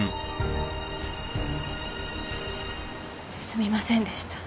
すみませんでした。